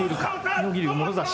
妙義龍、もろ差し。